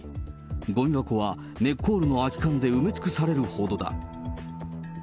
ごみ箱はメッコールの空き缶で埋め尽くされるほどだ。